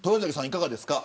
いかがですか。